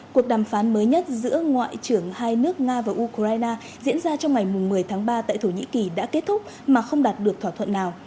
cuộc đàm phán mới nhất giữa ngoại trưởng hai nước nga và ukraine diễn ra trong ngày một mươi tháng ba tại thổ nhĩ kỳ đã kết thúc mà không đạt được thỏa thuận nào